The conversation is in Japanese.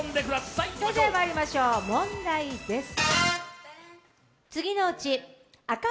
それではまいりましょう、問題です。